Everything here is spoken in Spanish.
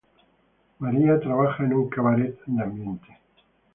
María trabaja en un cabaret de ambiente.